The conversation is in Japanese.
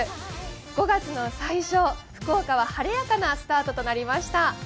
５月の最初、福岡は晴れやかなスタートとなりました。